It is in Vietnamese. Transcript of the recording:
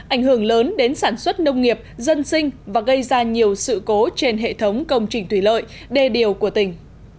ảnh hưởng lớn đến sản xuất nông nghiệp dân sinh và gây ra nhiều sự cố trên hệ thống công trình thủy lợi đề điều của tỉnh